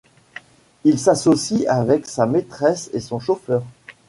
Il s'associe avec sa maîtresse et son chauffeur.